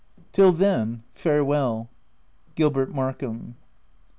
Till then, farewell, Gilbert Markham.